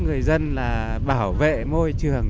người dân là bảo vệ môi trường